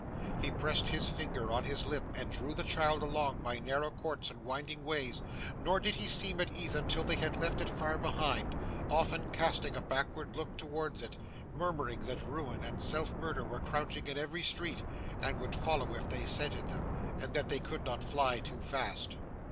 He pressed his finger on his lip, and drew the child along by narrow courts and winding ways, nor did he seem at ease until they had left it far behind, often casting a backward look towards it, murmuring that ruin and self murder were crouching in every street, and would follow if they scented them; and that they could not fly too fast.